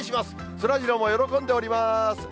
そらジローも喜んでおります。